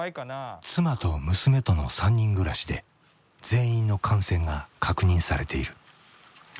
妻と娘との３人暮らしで全員の感染が確認されている。